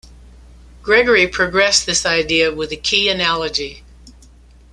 Gregory progressed this idea with a key analogy.